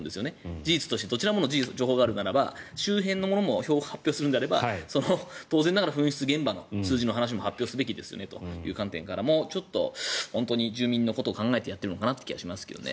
事実としてどちらの情報もあるならば周辺のものも発表するならば当然ながら噴出現場の数字の話も発表すべきですよねという観点からもちょっと本当に住民のことを思ってやっているのかなと思いますね。